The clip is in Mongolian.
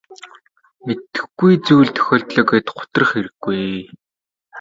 Мэдэхгүй зүйл тохиолдлоо гээд гутрах хэрэггүй.